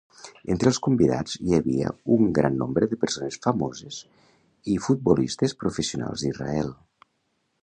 Entre els convidats hi havia un gran nombre de persones famoses i futbolistes professionals d'Israel.